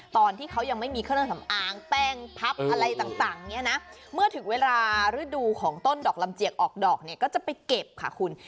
ตอนที่เขายังไม่มีเครื่องสำอางแป้งพับอะไรต่างเนี่ยนะเมื่อถึงเวลาฤดูของต้นดอกลำเจียกออกดอกเนี่ยก็จะไปเก็บค่ะคุณ